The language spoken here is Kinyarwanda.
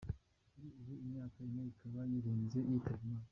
Kuri ubu imyaka ine ikaba yirenze yitabye Imana.